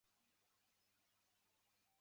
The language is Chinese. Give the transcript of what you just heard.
故事发生在一间北意大利的修道院中。